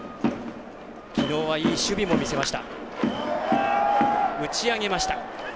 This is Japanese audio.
きのうはいい守備も見せました。